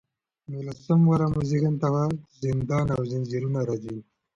نو سم له واره مو ذهن ته هغه زندان او زنځیرونه راځي